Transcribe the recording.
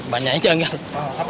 banyak aja gak